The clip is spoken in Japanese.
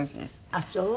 あっそう。